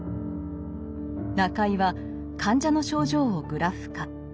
中井は患者の症状をグラフ化。